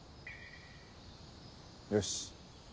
よし。